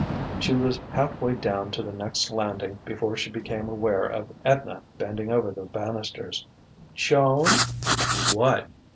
She was half way down to the next landing before she became aware of Edna bending over the banisters. "Joan " "What?"